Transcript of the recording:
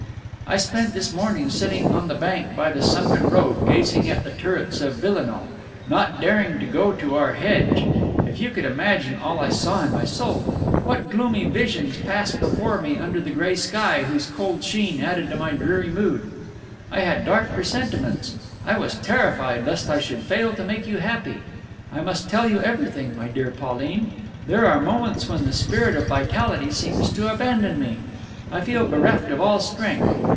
"I spent this morning sitting on the bank by the sunken road, gazing at the turrets of Villenoix, not daring to go to our hedge. If you could imagine all I saw in my soul! What gloomy visions passed before me under the gray sky, whose cold sheen added to my dreary mood! I had dark presentiments! I was terrified lest I should fail to make you happy. "I must tell you everything, my dear Pauline. There are moments when the spirit of vitality seems to abandon me. I feel bereft of all strength.